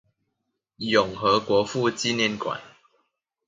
永和國父紀念館